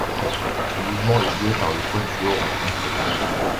Ce mouvement est joué par le quatuor au complet.